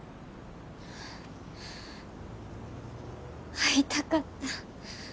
会いたかった。